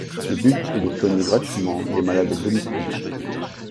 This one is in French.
Le but est de soigner gratuitement les malades à domicile.